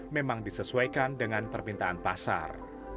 memang disesuaikan dengan permintaan pasar